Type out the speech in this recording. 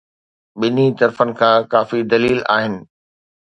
ٻنهي طرفن کان ڪافي دليل آهن.